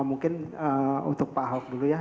mungkin untuk pak ahok dulu ya